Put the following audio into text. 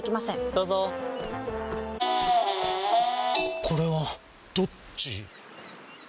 どうぞこれはどっち？